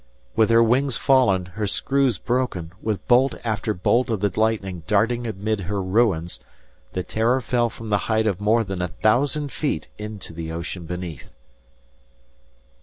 With her wings fallen, her screws broken, with bolt after bolt of the lightning darting amid her ruins, the "Terror" fell from the height of more than a thousand feet into the ocean beneath.